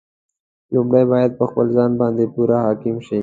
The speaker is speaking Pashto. لومړی باید پر خپل ځان باندې پوره حاکم شي.